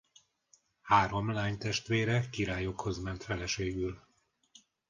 Három lánytestvére királyokhoz ment feleségül.